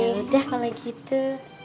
oh yaudah kalau gitu